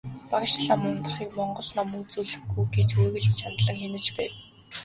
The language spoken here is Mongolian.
Багш лам Ундрахыг монгол ном үзүүлэхгүй гэж үргэлж чандлан хянаж байв.